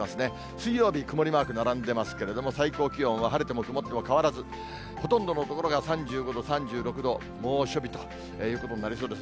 水曜日、曇りマーク並んでますけれども、最高気温は晴れても曇っても変わらず、ほとんどの所が３５度、３６度、猛暑日ということになりそうです。